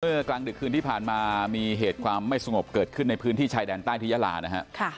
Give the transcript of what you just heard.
กลางดึกคืนที่ผ่านมามีเหตุความไม่สงบเกิดขึ้นในพื้นที่ชายแดนใต้ที่ยาลานะฮะ